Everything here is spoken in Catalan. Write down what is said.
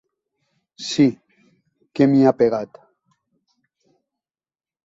Sí, que m'hi ha pegat.